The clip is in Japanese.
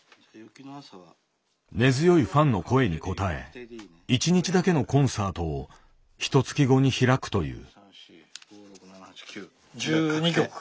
根強いファンの声に応え１日だけのコンサートをひとつき後に開くという。